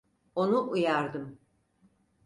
Onu uyardım.